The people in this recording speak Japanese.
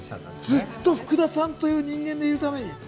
ずっとフクダさんという人間でいるために。